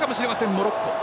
モロッコ。